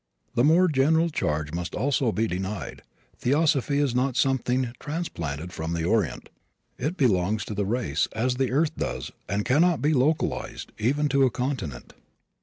The more general charge must also be denied; theosophy is not something transplanted from the Orient. It belongs to the race, as the earth does, and cannot be localized, even to a continent.